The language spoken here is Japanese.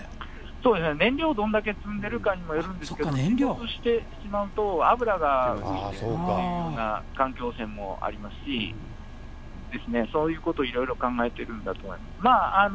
そうですね、燃料どれだけ積んでるかにもよるんですけど、沈没してしまうと今のところ、油が浮いてるというようなもありますし、そういうこといろいろ考えてるんだと思います。